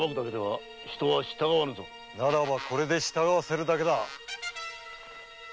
ならばこれで従わせるだけだ。